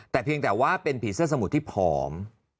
แต่เพียงแต่ว่าเป็นผีเสื้อสมุดที่ผอม